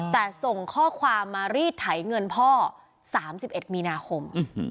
แต่ส่งข้อความมารีดไถเงินพ่อ๓๑มีนาคม